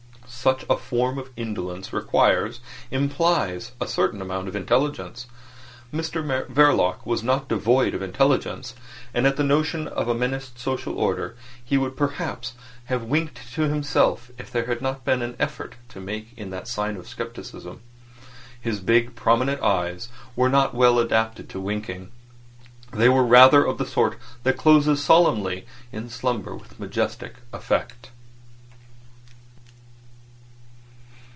Such a form of indolence requires, implies, a certain amount of intelligence. Mr Verloc was not devoid of intelligence—and at the notion of a menaced social order he would perhaps have winked to himself if there had not been an effort to make in that sign of scepticism. His big, prominent eyes were not well adapted to winking. They were rather of the sort that closes solemnly in slumber with majestic effect.